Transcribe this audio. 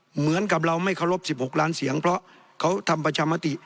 เหมือนกับเราไม่เคารพ๑๖ล้านเสียงเพราะเขาทำประชามติ